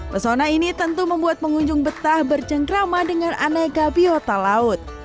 pesona ini tentu membuat pengunjung betah bercengkrama dengan aneka biota laut